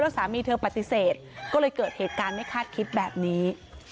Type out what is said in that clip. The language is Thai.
สามีเธอปฏิเสธก็เลยเกิดเหตุการณ์ไม่คาดคิดแบบนี้